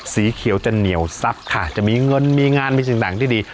สีเขียวจะเหนียวซับค่ะจะมีเงินมีงานมีสิ่งต่างที่ดี